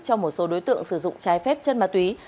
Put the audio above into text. cho một số đối tượng sử dụng trái phép chân ma túy